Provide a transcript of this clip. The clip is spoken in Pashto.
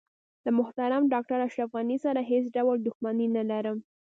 له محترم ډاکټر اشرف غني سره هیڅ ډول دښمني نه لرم.